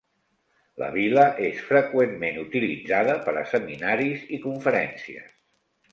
La Vil·la és freqüentment utilitzada per a seminaris i conferències.